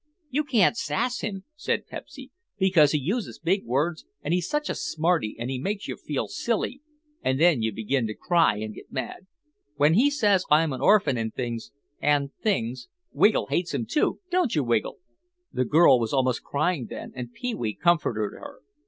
"You can't sass him," said Pepsy, "because he uses big words and he's such a smarty and he makes you feel silly and then you begin to cry and get mad. When he says I'm an orphan and things—and things—Wiggle hates him, too, don't you, Wiggle?" The girl was almost crying then and Pee wee comforted her.